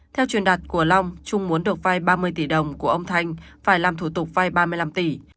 theo truyền đặt của long trung muốn được vai ba mươi tỷ đồng của ông thanh phải làm thủ tục vai ba mươi năm tỷ